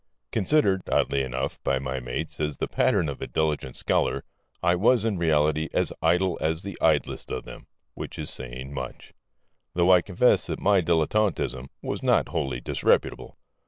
Considered (oddly enough) by my mates as the pattern of a diligent scholar, I was in reality as idle as the idlest of them, which is saying much; though I confess that my dilettantism was not wholly disreputable.